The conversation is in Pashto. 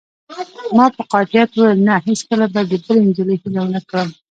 ما په قاطعیت وویل: نه، هیڅکله به د بلې نجلۍ هیله ونه لرم.